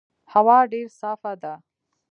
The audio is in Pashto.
هوا ډېر صافه ده.